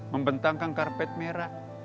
membentangkan karpet merah